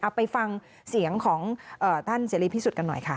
ไปฟังเสียงของท่านเสรีพิสุทธิ์กันหน่อยค่ะ